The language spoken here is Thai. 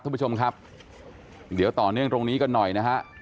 ท่านผู้ชมครับเดี๋ยวต่อเนื่องตรงนี้กันหน่อยนะฮะ